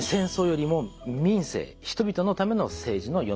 人々のための政治の世の中。